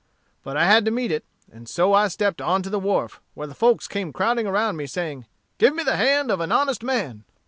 But I had to meet it, and so I stepped on to the wharf, where the folks came crowding around me, saying, 'Give me the hand of an honest man.'